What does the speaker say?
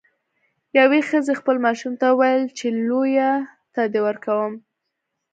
یوې ښځې خپل ماشوم ته وویل چې لیوه ته دې ورکوم.